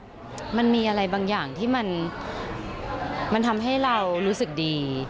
มันมีอะไรบางอย่างที่มันทำให้เรารู้สึกดี